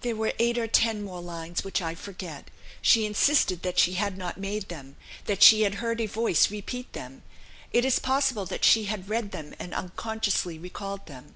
"There were eight or ten more lines which I forget. She insisted that she had not made them, that she had heard a voice repeat them. It is possible that she had read them, and unconsciously recalled them.